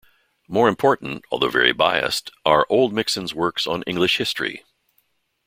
More important, although very biased, are Oldmixon's works on English history.